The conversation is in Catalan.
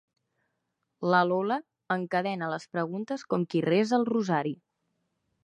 La Lola encadena les preguntes com qui resa el rosari.